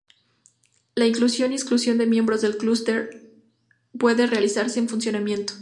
La inclusión y exclusión de miembros del cluster puede realizarse en funcionamiento.